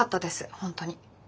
本当に。